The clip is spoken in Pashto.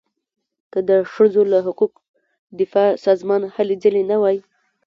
که د ښځو له حقونو دفاع سازمان هلې ځلې نه وای.